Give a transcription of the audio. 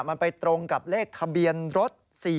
มันไปตรงกับเลขทะเบียนรถ๔๔